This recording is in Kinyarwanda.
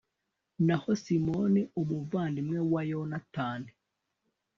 naho simoni, umuvandimwe wa yonatani